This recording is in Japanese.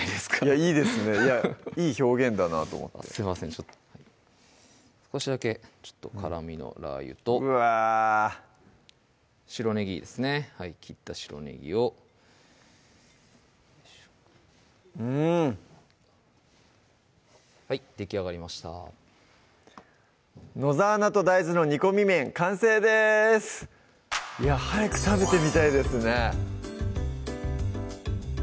いいですねいやいい表現だなと思って少しだけちょっと辛みのラー油とうわぁ白ねぎですね切った白ねぎをうんはいできあがりました「野沢菜と大豆の煮込み麺」完成ですいや早く食べてみたいですね